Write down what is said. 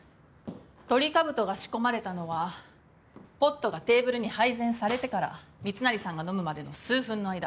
トリカブトが仕込まれたのはポットがテーブルに配膳されてから密成さんが飲むまでの数分の間。